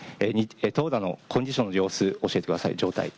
投打のコンディションの様子、状態を教えてください。